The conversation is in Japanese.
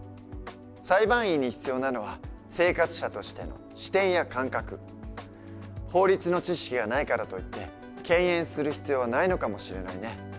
裁判員に必要なのは法律の知識がないからといって敬遠する必要はないのかもしれないね。